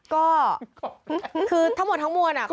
ก็คือทั้งหมดทั้งมวลเขาบอกว่า